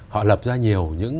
họ lập ra nhiều những